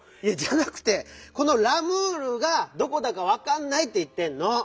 いやじゃなくてこの「ラムール」がどこだかわかんないっていってんの！